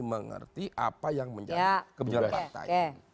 mengerti apa yang menjadi kebijakan partai